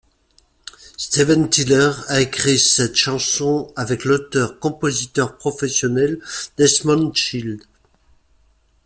Steven Tyler a écrit cette chanson avec l'auteur-compositeur professionnel Desmond Child.